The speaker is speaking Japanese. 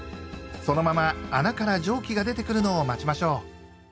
そのまま穴から蒸気が出てくるのを待ちましょう。